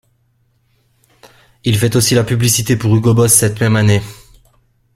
Il fait aussi la publicité pour Hugo Boss cette même année.